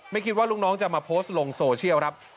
คิดว่าลูกน้องจะมาโพสต์ลงโซเชียลครับ